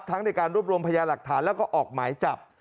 ในการรวบรวมพยาหลักฐานแล้วก็ออกหมายจับ